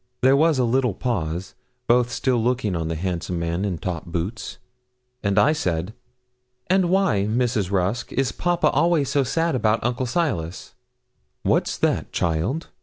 There was a little pause, both still looking on the handsome man in top boots, and I said 'And why, Mrs. Rusk, is papa always so sad about Uncle Silas?' 'What's that, child?'